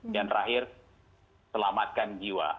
dan terakhir selamatkan jiwa